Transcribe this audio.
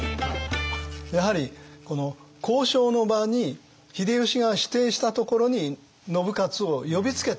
やはりこの交渉の場に秀吉が指定したところに信雄を呼びつけた。